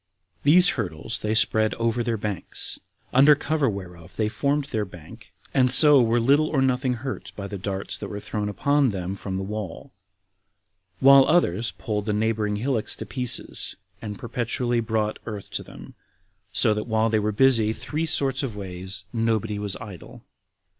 These hurdles they spread over their banks, under cover whereof they formed their bank, and so were little or nothing hurt by the darts that were thrown upon them from the wall, while others pulled the neighboring hillocks to pieces, and perpetually brought earth to them; so that while they were busy three sorts of ways, nobody was idle.